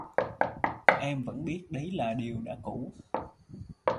Em vẫn biết đấy là điều đã cũ